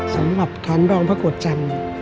สำหรับฐานรองพระโกรธจันทร์